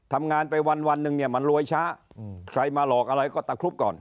ทำงานไปวันหนึ่งเนี่ยมันรวยช้าใครมาหลอกอะไรก็ตะครุบก่อน